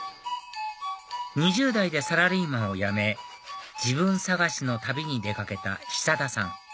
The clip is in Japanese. ２０代でサラリーマンを辞め自分探しの旅に出掛けた久田さん